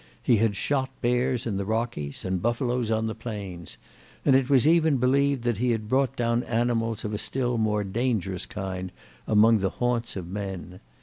He had shot bears in the Rockies and buffaloes on the plains; and it was even believed that he had brought down animals of a still more dangerous kind among the haunts of men.